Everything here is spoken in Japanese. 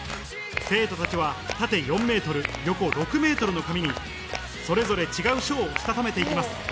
生徒たちは縦 ４ｍ 横 ６ｍ の紙にそれぞれ違う書をしたためて行きます。